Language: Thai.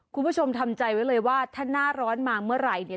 คุณผู้ชมทำใจไว้เลยว่าถ้าหน้าร้อนมาเมื่อไหร่เนี่ย